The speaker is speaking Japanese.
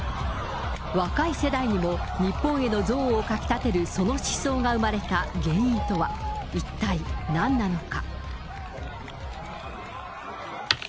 若い世代にも日本への憎悪をかき立てるその思想が生まれた原因とは一体何なのか。